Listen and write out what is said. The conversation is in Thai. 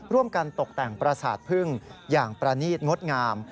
ร่วมกันตกแต่งประสาทพึ่งอย่างประนีตงดงาม